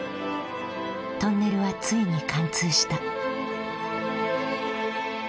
トンネルはついに貫通した。